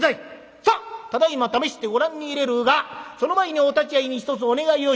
さあただいま試してご覧に入れるがその前にお立ち会いに一つお願いをしておくぞ。